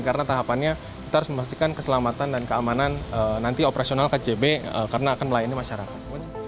karena tahapannya kita harus memastikan keselamatan dan keamanan nanti operasional kcb karena akan melayani masyarakat